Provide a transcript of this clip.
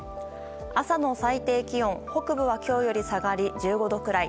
朝の最低気温、北部は今日より下がり、１５度くらい。